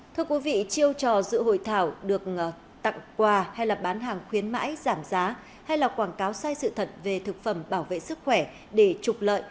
thưa quý vị chiêu trò dự hội thảo được tặng quà hay là bán hàng khuyến mãi giảm giá hay là quảng cáo sai sự thật về thực phẩm bảo vệ sức khỏe để trục lợi